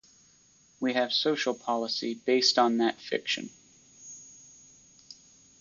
We have social policy based on that fiction.